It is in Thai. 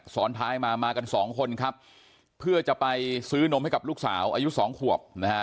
ซ้อนท้ายมามากันสองคนครับเพื่อจะไปซื้อนมให้กับลูกสาวอายุสองขวบนะฮะ